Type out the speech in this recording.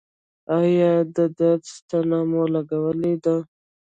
ایا د درد ستنه مو لګولې ده؟